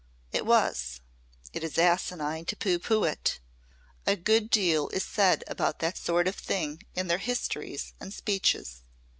It was. It is asinine to pooh pooh it. A good deal is said about that sort of thing in their histories and speeches.